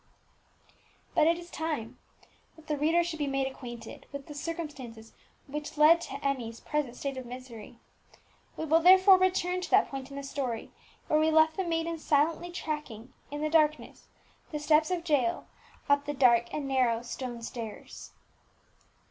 But it is time that the reader should be made acquainted with the circumstances which led to Emmie's present state of misery. We will therefore return to that point in the story where we left the maiden silently tracking in the darkness the steps of Jael up the dark and narrow stone stairs.